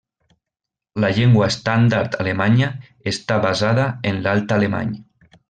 La llengua estàndard alemanya està basada en l'alt alemany.